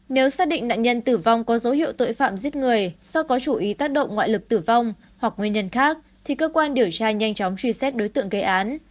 nếu xác định nạn nhân tử vong có dấu hiệu tội phạm giết người do có chú ý tác động ngoại lực tử vong hoặc nguyên nhân khác thì cơ quan điều tra nhanh chóng truy xét đối tượng gây án